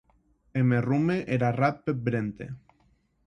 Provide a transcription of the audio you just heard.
E me rome er arrat peth vrente.